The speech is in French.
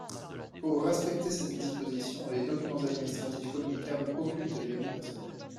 Pour respecter cette disposition, les documents administratifs communicables occultent les données personnelles.